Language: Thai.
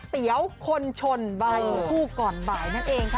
เตี๋ยวคนชนใบคู่ก่อนบ่ายนั่นเองค่ะ